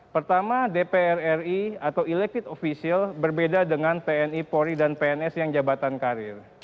pertama dpr ri atau elected official berbeda dengan tni polri dan pns yang jabatan karir